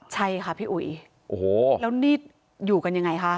ใช่ค่ะพี่อุ๋ยโอ้โหแล้วนี่อยู่กันยังไงคะ